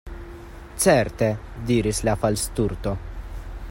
"Certe," diris la Falsturto.